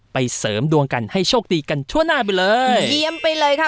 เสริมดวงกันให้โชคดีกันทั่วหน้าไปเลยเยี่ยมไปเลยค่ะ